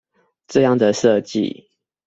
這樣的設計